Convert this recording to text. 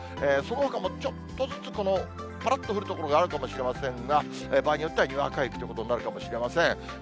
そのほかもちょっとずつぱらっと降る所があるかもしれませんが、場合によってはにわか雪ということになるかもしれません。